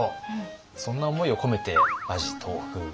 そんな思いを込めて馬耳豆腐。